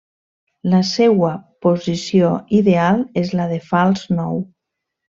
La seua posició ideal és la de fals nou.